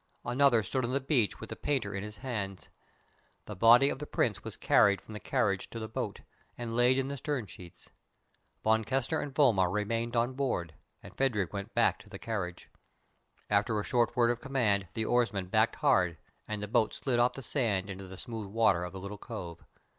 Another stood on the beach with the painter in his hands. The body of the Prince was carried from the carriage to the boat, and laid in the stern sheets. Von Kessner and Vollmar remained on board, and Phadrig went back to the carriage. At a short word of command the oarsman backed hard, and the boat slid off the sand into the smooth water of the little cove.